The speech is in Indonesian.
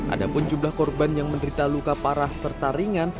ada pun jumlah korban yang menderita luka parah serta ringan